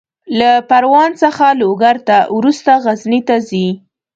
له پروان څخه لوګر ته، وروسته غزني ته ځي.